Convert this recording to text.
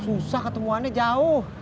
susah ketemuannya jauh